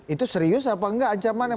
itu serius apa enggak ancaman yang